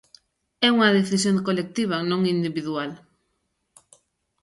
É unha decisión colectiva, non individual.